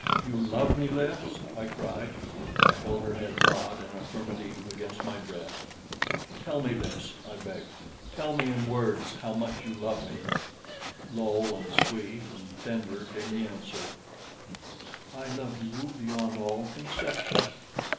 "You love me, Lys?" I cried. I felt her head nod an affirmative against my breast. "Tell me, Lys," I begged, "tell me in words how much you love me." Low and sweet and tender came the answer: "I love you beyond all conception."